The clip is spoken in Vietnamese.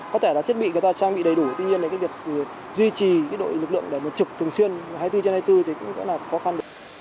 có thể thiết bị trang bị đầy đủ tuy nhiên việc duy trì đội lực lượng trực thường xuyên hai mươi bốn trên hai mươi bốn cũng khó khăn